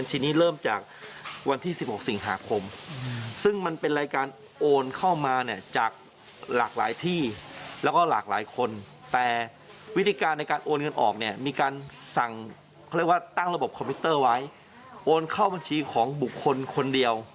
เจ็ดแสนแรกโอนเข้าบัญชีคนนี้